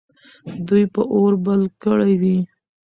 دوی به اور بل کړی وي.